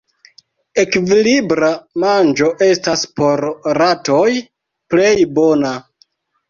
Ekvilibra manĝo estas por ratoj plej bona.